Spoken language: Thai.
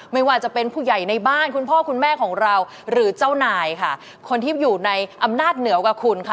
ไม่ว่าจะเป็นผู้ใหญ่ในบ้านคุณพ่อคุณแม่หรือเจ้านายคนที่อยู่ในอำนาจเหนียวกับคุณ